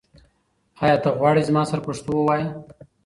آیا ته غواړې چې زما سره پښتو ووایې؟